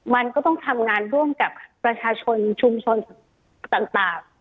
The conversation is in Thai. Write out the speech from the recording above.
มันก็ต้องทำงานร่วมกับประชาชนชุมชนต่าง